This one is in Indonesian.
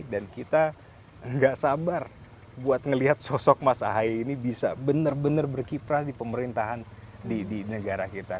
dan kita nggak sabar buat ngelihat sosok mas ahy ini bisa benar benar berkiprah di pemerintahan di negara kita